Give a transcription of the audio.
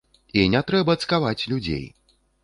І не трэба цкаваць людзей.